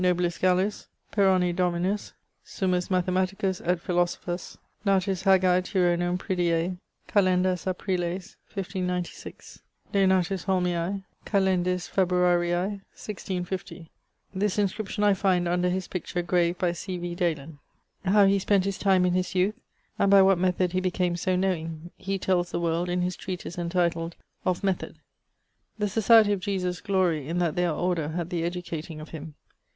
Monsieur Renatus Des Cartes, 'nobilis Gallus, Perroni dominus, summus mathematicus et philosophus; natus Hagae Turonum pridie Calendas Apriles, 1596; denatus Holmiae Calendis Februarii, 1650' this inscription I find under his picture graved by C. V. Dalen. How he spent his time in his youth, and by what method he became so knowing, he tells the world in his treatise entituled Of Method. The Societie of Jesus glorie in that theyr order had the educating of him.